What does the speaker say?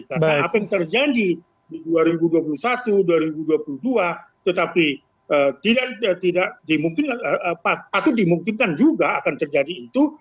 karena apa yang terjadi di dua ribu dua puluh satu dua ribu dua puluh dua tetapi patut dimungkinkan juga akan terjadi itu